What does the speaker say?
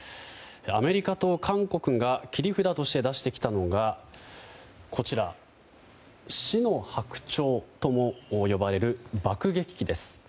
アメリカと韓国が切り札として出してきたのが死の白鳥とも呼ばれる爆撃機です。